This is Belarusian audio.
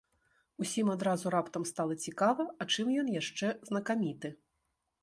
Усім адразу раптам стала цікава, а чым ён яшчэ знакаміты?